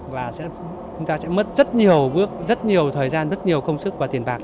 và chúng ta sẽ mất rất nhiều thời gian rất nhiều công sức và tiền bạc